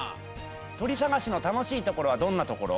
とりさがしのたのしいところはどんなところ？